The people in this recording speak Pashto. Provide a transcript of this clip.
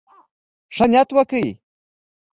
ښه نيت وکړئ.